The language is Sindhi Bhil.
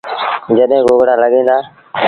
جڏهيݩ گوگڙآ لڳيٚن دآ